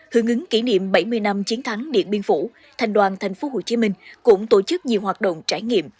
hướng ứng kỷ niệm bảy mươi năm chiến thắng điện biên phủ thành đoàn tp hcm cũng tổ chức nhiều hoạt động trải nghiệm